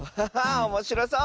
おもしろそう！